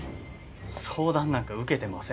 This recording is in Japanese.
相談なんか受けてません。